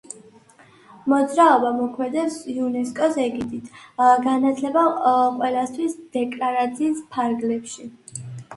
მოძრაობა მოქმედებს იუნესკოს ეგიდით, განათლება ყველასათვის დეკლარაციის ფარგლებში.